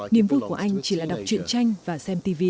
niềm vui của anh chỉ là đọc truyện tranh và xem tv